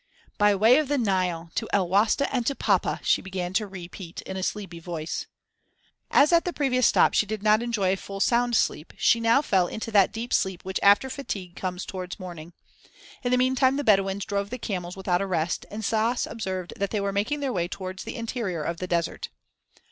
"By way of the Nile to El Wasta and to papa!" she began to repeat in a sleepy voice. As at the previous stop she did not enjoy a full sound sleep, she now fell into that deep sleep which after fatigue comes towards morning. In the meantime the Bedouins drove the camels without a rest and Stas observed that they were making their way towards the interior of the desert.